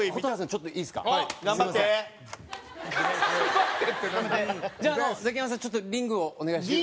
ちょっとリングをお願いして。